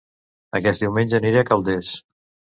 Aquest diumenge aniré a Calders